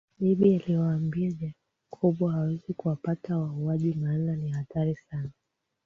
Debby alimwambia Jacob hawezi kuwapata wauwaji maana ni hatari sana